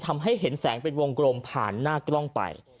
ทำให้เห็นแสงเป็นวงกลมผ่านหน้ากล้องไป